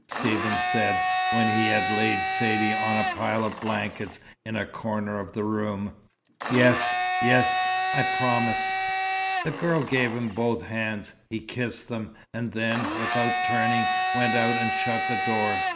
Stephen said, when he had laid Saidee on the pile of blankets in a corner of the room. "Yes yes I promise!" The girl gave him both hands. He kissed them, and then, without turning, went out and shut the door.